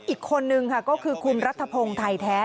อีกคนนึงค่ะก็คือคุณรัฐพงศ์ไทยแท้